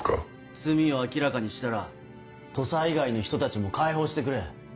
罪を明らかにしたら土佐以外の人たちも解放してくれ。